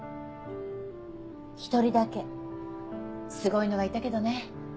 １人だけすごいのがいたけどね。